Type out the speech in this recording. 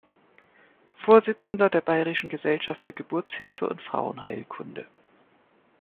Vorsitzender der Bayerischen Gesellschaft für Geburtshilfe und Frauenheilkunde.